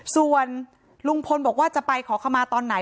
ส่วนลุงพลบอกว่าจะไปขอขมาตอนไหน